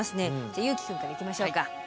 じゃあ優樹くんからいきましょうか。